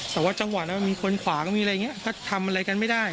แต่ว่าจังหวะนั้นมีคนขวางมีอะไรอย่างนี้ก็ทำอะไรกันไม่ได้